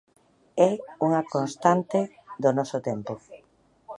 É unha constante do noso tempo.